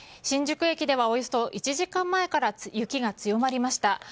新宿駅では、およそ１時間前から雪が強まりました。